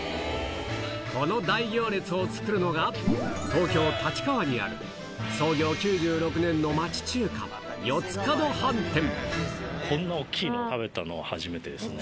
この大行列を作るのが、東京・立川にある創業９６年の町中華、こんな大きいの食べたの初めてですね。